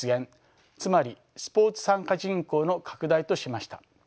つまりスポーツ参加人口の拡大としました。